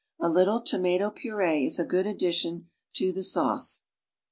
A little tomato puree is a good addition to the sauce.